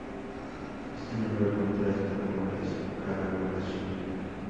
Este número contrasta con la escasa población.